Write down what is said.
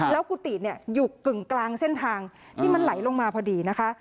แล้วกุฏิอยู่กึ่งกลางเส้นทางที่มันไหลลงมาพอดีนะคะ